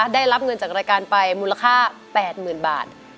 ได้รับเงินจากรายการไปมูลค่า๘๐๐๐บาท